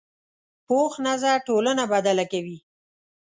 پوخ نظر ټولنه بدله کوي